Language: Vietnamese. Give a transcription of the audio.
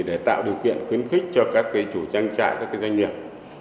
để tạo điều kiện khuyến khích cho các chủ trang trại các doanh nghiệp